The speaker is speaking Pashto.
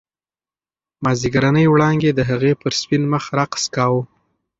مازیګرنۍ وړانګې د هغې پر سپین مخ رقص کاوه.